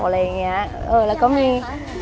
แล้วก็มี